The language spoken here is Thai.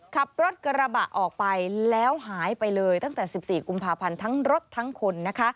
ขับรถกระบะออกไปแล้วหายไปเลยตั้งแต่๑๔กุมภาพันธ์ทั้งรถทั้งคนนะคะ